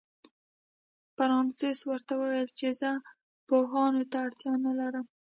فرانسس ورته وویل چې زه پوهانو ته اړتیا نه لرم.